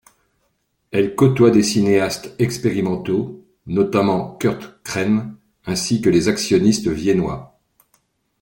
Elle côtoie des cinéastes expérimentaux, notamment Kurt Kren, ainsi que les actionnistes viennois.